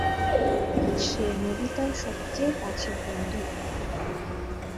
সে নোবিতার সবচেয়ে কাছের বন্ধু।